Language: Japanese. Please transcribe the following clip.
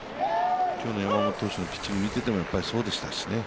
今日の山本投手のピッチングを見ても、やっぱりそうでしたしね。